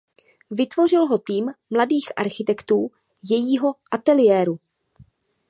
Vytvořil ho tým mladých architektů jejího ateliéru.